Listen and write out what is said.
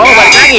oh balik lagi